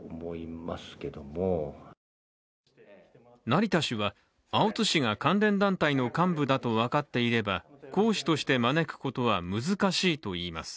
成田氏は、青津氏が関連団体の幹部だと分かっていれば講師として招くことは難しいといいます。